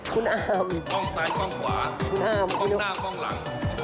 คุณอ่ามป้องซ้ายป้องขวาคุณอ่ามป้องหน้าป้องหลัง